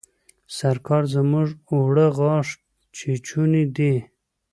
سرکال زموږ اوړه غاښ چيچوني دي.